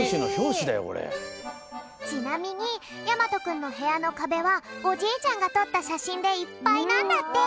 ちなみにやまとくんのへやのかべはおじいちゃんがとったしゃしんでいっぱいなんだって。